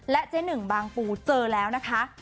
เจ๊หนึ่งบางปูเจอแล้วนะคะ